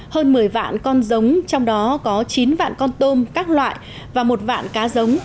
hơn một mươi vạn con giống trong đó có chín vạn con tôm các loại và một vạn cá giống